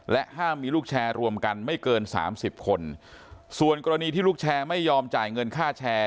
ห้ามมีลูกแชร์รวมกันไม่เกินสามสิบคนส่วนกรณีที่ลูกแชร์ไม่ยอมจ่ายเงินค่าแชร์